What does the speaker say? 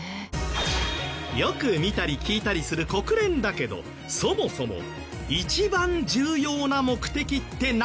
よく見たり聞いたりする国連だけどそもそも一番重要な目的って何かわかってます？